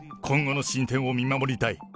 今後の進展を見守りたい。